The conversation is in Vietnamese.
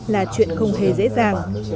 là chuyện không hề dễ dàng